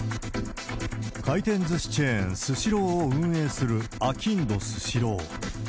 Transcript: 回転ずしチェーン、スシローを運営する、あきんどスシロー。